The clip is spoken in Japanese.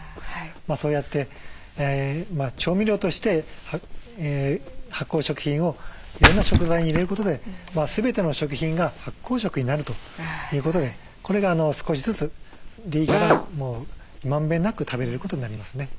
そうやって調味料として発酵食品をいろんな食材に入れることで全ての食品が発酵食になるということでこれが少しずつでいいからまんべんなく食べれることになりますね。